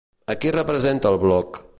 A qui representa el Bloc?